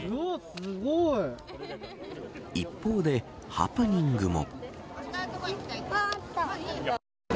一方で、ハプニングも。